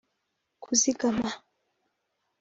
kuzigama